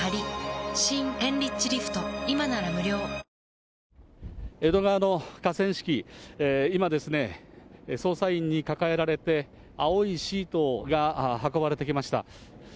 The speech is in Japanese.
「感謝セール」２４日まで江戸川の河川敷、今、捜査員に抱えられて、青いシートが運ばれてきました。